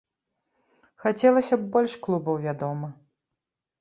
Хацелася б больш клубаў, вядома.